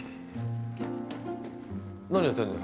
何やってんだよ？